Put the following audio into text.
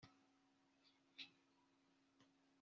nacyo kiti wibeshya wa muswa we cyangwa mpite nkurangiza nonaha